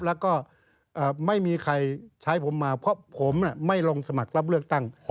แล้วก็ไม่มีใครใช้ผมมาเพราะผมไม่ลงสมัครรับเลือกตั้ง